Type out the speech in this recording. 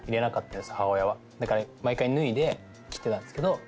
だから毎回脱いで切ってたんですけど。